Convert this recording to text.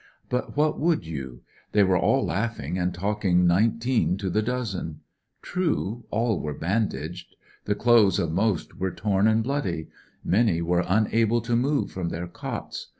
Put what would you ? They were all laughing and talking nineteen to the dozen. True, all were bandaged; the 219 220 (( TT> IT'S A GREAT DO It clothes of most w6re torn and bloody; many were unable to move from their cots.